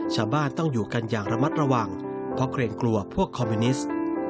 ชาวบ้านต้องอยู่กันอย่างระมัดระวังเพราะเกรงกลัวพวกคอมมิวนิสต์